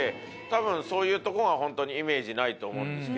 多分そういうとこは本当にイメージないと思うんです。